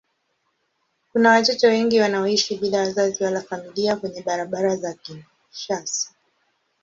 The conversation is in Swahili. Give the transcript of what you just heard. Kuna watoto wengi wanaoishi bila wazazi wala familia kwenye barabara za Kinshasa.